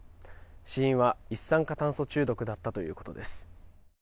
死因は一酸化炭素中毒だったということです。